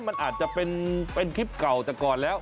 มันอาจจะเป็นคลิปเก่าแต่ก่อนแล้ว